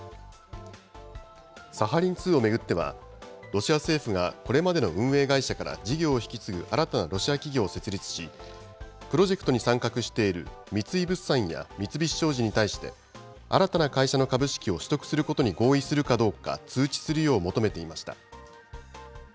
サハリン２を巡っては、ロシア政府がこれまでの運営会社から事業を引き継ぐ新たなロシア企業を設立し、プロジェクトに参画している三井物産や三菱商事に対して、新たな会社の株式を取得することに合意するかどうか、通知するよう求めていました。